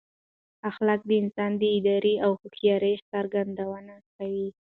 اخلاق د انسان د ارادې او هوښیارۍ څرګندونه کوي.